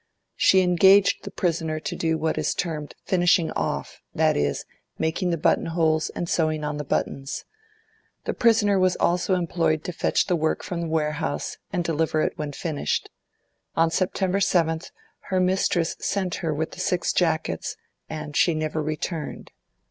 She engaged the prisoner to do what is termed "finishing off," that is, making the button holes and sewing on the buttons. The prisoner was also employed to fetch the work from the warehouse, and deliver it when finished. On September 7th her mistress sent her with the six jackets, and she never returned.